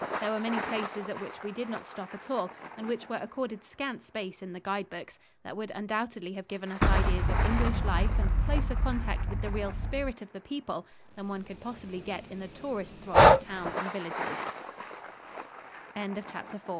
There were many places at which we did not stop at all, and which were accorded scant space in the guide books, that would undoubtedly have given us ideas of English life and closer contact with the real spirit of the people than one could possibly get in the tourist thronged town